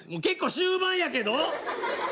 結構終盤やけど！？